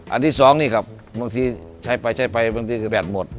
อันที่สองนี่ครับบางทีใช้ไปบางทีแบตหมด